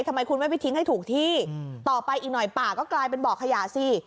ทำไมคุณไม่ไปทิ้งให้ถูกที่ต่อไปอีกหน่อยป่าก็กลายเป็นบ่อขยะสิ